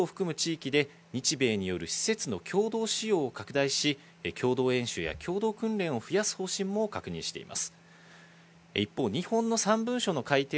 さらに南西諸島を含む地域で日米による施設の共同使用を拡大し、共同演習や共同訓練を増やす方針も確認しています。